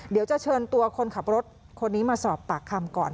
เดี๋ยวจะเชิญตัวคนขับรถคนนี้มาสอบปากคำก่อน